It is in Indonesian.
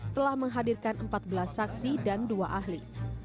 telah menghadirkan empat belas saksi dan dua ahli